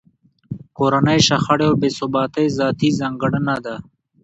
کورنۍ شخړې او بې ثباتۍ ذاتي ځانګړنه ده.